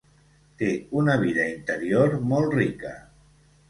Té una vida interior molt rica.